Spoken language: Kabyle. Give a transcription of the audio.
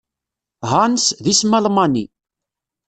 Hans, d isem Almani.